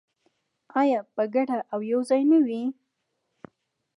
آیا په ګډه او یوځای نه وي؟